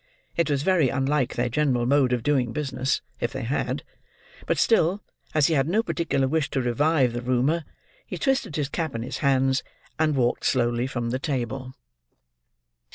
It was very unlike their general mode of doing business, if they had; but still, as he had no particular wish to revive the rumour, he twisted his cap in his hands, and walked slowly from the table.